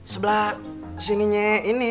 sebelah sininya ini